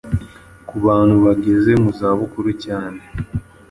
ku bantu bageze mu za bukuru cyane